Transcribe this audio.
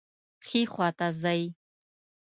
ښي خواته ځئ